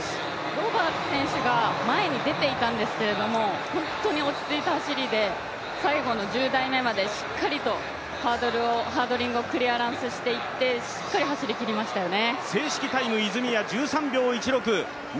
ロバーツ選手が前に出ていたんですけど、本当に落ち着いた走りで、最後の１０台目までしっかりとハードリングをクリアランスしてしっかり走りきりましたよね。